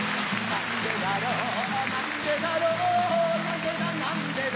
何でだろう何でだろう何でだ何でだ